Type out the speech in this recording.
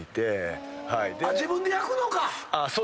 自分で焼くのか！